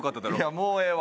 もうええわ。